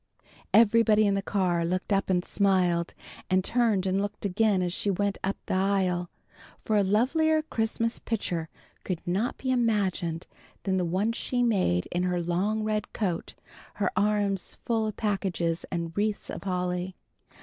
Everybody in the car looked up and smiled, and turned and looked again as she went up the aisle, for a lovelier Christmas picture could not be imagined than the one she made in her long red coat, her arms full of packages and wreaths of holly.